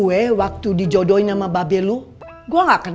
gue waktu dijodohin sama babeluh gue gak kenal